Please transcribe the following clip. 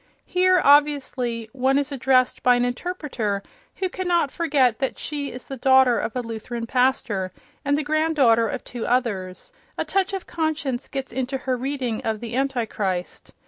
Here, obviously, one is addressed by an interpreter who cannot forget that she is the daughter of a Lutheran pastor and the grand daughter of two others; a touch of conscience gets into her reading of "The Antichrist."